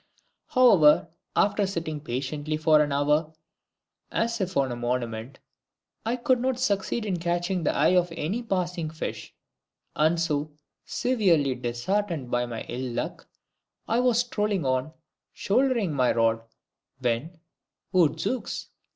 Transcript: However, after sitting patiently for an hour, as if on a monument, I could not succeed in catching the eye of any passing fish, and so, severely disheartened by my ill luck, I was strolling on, shouldering my rod, when odzooks!